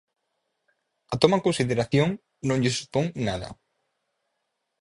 A toma en consideración non lles supón nada.